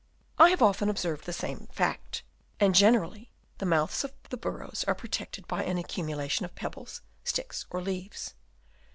I have often observed the same fact, and generally the mouths of the burrows are protected by an accumulation of pebbles, sticks or leaves.